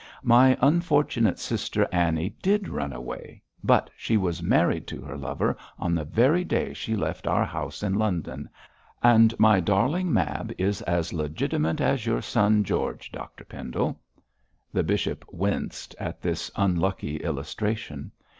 'My unfortunate sister Annie did run away, but she was married to her lover on the very day she left our house in London, and my darling Mab is as legitimate as your son George, Dr Pendle.' The bishop winced at this unlucky illustration.